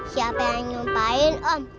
siapa yang nyumpain om